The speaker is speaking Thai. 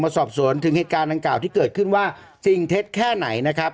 สอบสวนถึงเหตุการณ์ดังกล่าวที่เกิดขึ้นว่าจริงเท็จแค่ไหนนะครับ